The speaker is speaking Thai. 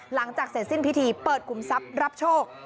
หลังจากเสร็จสิ้นพิธีเปิดขุมทรัพย์รับโชค